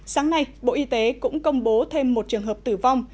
sáng nay bộ y tế cũng công bố thêm một trường hợp tử vong